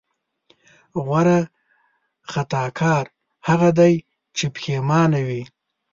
غوره خطاکار هغه دی چې پښېمانه وي.